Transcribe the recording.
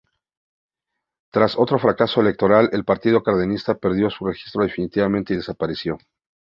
Tras otro fracaso electoral, el Partido Cardenista perdió su registro definitivamente y desapareció.